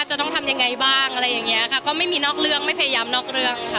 จะต้องทำยังไงบ้างอะไรอย่างเงี้ยค่ะก็ไม่มีนอกเรื่องไม่พยายามนอกเรื่องค่ะ